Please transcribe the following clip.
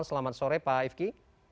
selamat sore pak ifki